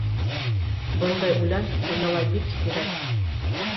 Бындай үлән донъяла бик һирәк.